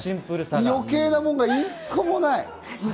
余計なものが１個もない。